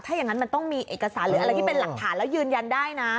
ถ้าอย่างนั้นมันต้องมีเอกสารหรืออะไรที่เป็นหลักฐานแล้วยืนยันได้นะ